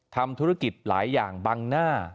ทำธุรกิจหลายอย่างบังหน้า